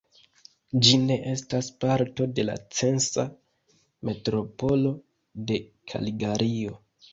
Ĝi ne estas parto de la Censa Metropolo de Kalgario.